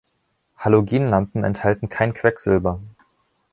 Halogenlampen enthalten kein Quecksilber.